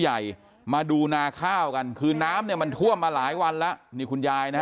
ใหญ่มาดูนาข้าวกันคือน้ำมันท่วมมาหลายวันละมีคนใยนะ